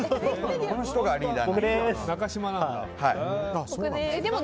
この人がリーダーなんです。